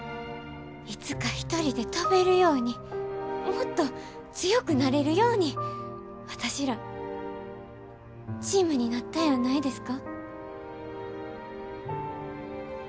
いつか一人で飛べるようにもっと強くなれるように私らチームになったんやないですか？